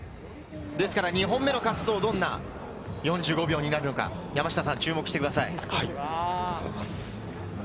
ですから２本目の滑走、どんな４５秒になるのか、注目してください。